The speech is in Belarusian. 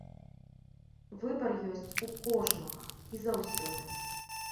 Выбар ёсць у кожнага і заўсёды.